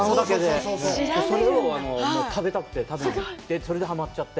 それを食べたくて、食べに行って、それではまっちゃって。